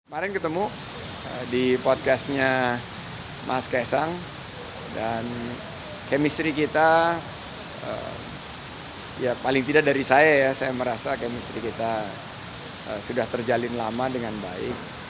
kemarin ketemu di podcastnya mas kaisang dan kemistri kita ya paling tidak dari saya ya saya merasa kemistri kita sudah terjalin lama dengan baik